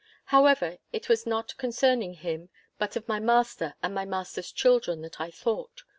However, it was not concerning him, but of my master and my master's children that I thought.